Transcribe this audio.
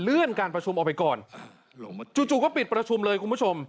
การประชุมออกไปก่อนจู่ก็ปิดประชุมเลยคุณผู้ชม